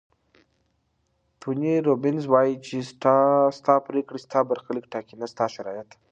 توني روبینز وایي چې ستا پریکړې ستا برخلیک ټاکي نه ستا شرایط.